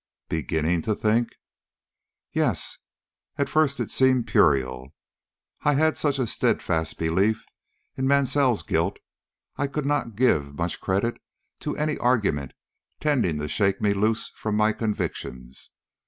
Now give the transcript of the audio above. "Beginning to think?" "Yes. At first it seemed puerile. I had such a steadfast belief in Mansell's guilt, I could not give much credit to any argument tending to shake me loose from my convictions.